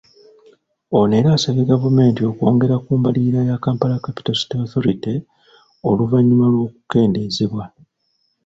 Ono era asabye gavumenti okwongera ku mbalirira ya Kampala Capital City Authority oluvannyuma lw’okukendeezebwa .